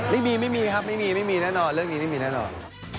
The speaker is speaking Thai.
ไม่มีไม่มีครับไม่มีไม่มีแน่นอนเรื่องนี้ไม่มีแน่นอน